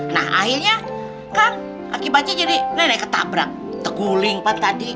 nah akhirnya kan akibatnya jadi nenek ketabrak teguling pak tadi